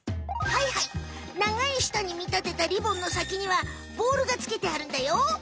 はいはい長い舌に見立てたリボンの先にはボールがつけてあるんだよ。